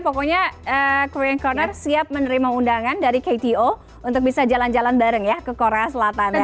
pokoknya korean corner siap menerima undangan dari kto untuk bisa jalan jalan bareng ya ke korea selatan ya